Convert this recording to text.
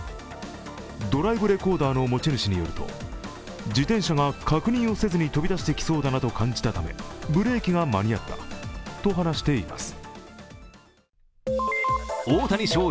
ドライブレコーダーの持ち主によると自転車が確認をせずに飛び出してきそうだなと感じたためブレーキが間に合ったと話しています。